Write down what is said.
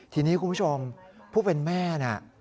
ทีนี้คุณผู้ชมผู้เป็นแม่น่ะ